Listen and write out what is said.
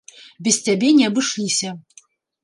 Без цябе не абышліся.